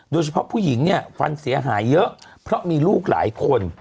โดยเฉพาะผู้หญิงเนี่ยฟันเสียหายเยอะเพราะมีลูกหลายคน